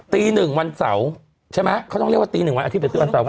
ตีหนึ่งวันเสาร์ใช่ไหมเขาต้องเรียกว่าตี๑วันอาทิตย์วันเสาร์